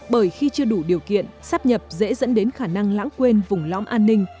bởi khi chưa đủ điều kiện sắp nhập dễ dẫn đến khả năng lãng quên vùng lõm an ninh